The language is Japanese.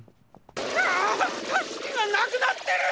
あたすきがなくなってる！